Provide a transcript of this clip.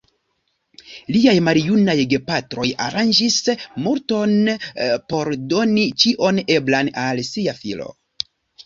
Liaj maljunaj gepatroj aranĝis multon por doni ĉion eblan al sia filo.